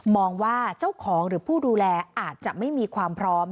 ว่าเจ้าของหรือผู้ดูแลอาจจะไม่มีความพร้อม